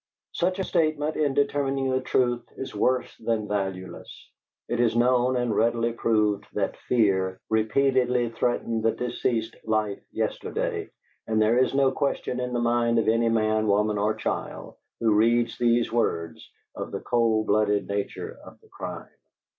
Such a statement, in determining the truth, is worse than valueless. It is known and readily proved that Fear repeatedly threatened the deceased's life yesterday, and there is no question in the mind of any man, woman, or child, who reads these words, of the cold blooded nature of the crime.